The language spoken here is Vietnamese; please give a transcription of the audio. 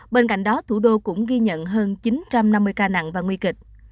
bên cạnh đó thủ đô cũng ghi nhận hơn chín trăm năm mươi ca nặng và nguy kịch